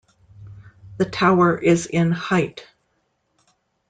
The tower is in height.